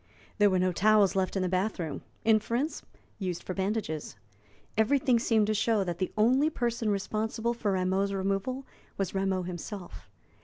There were no towels left in the bath room; inference, used for bandages. Everything seemed to show that the only person responsible for Rameau's removal was Rameau himself.